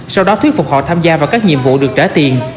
sau đó thuyết phục họ tham gia vào các nhiệm vụ được trả tiền